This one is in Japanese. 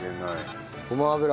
ごま油。